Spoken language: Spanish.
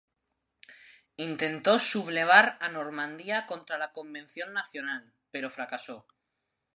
Intentó sublevar a Normandía contra la Convención nacional, pero fracasó.